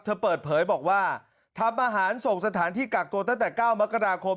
เปิดเผยบอกว่าทำอาหารส่งสถานที่กักตัวตั้งแต่๙มกราคม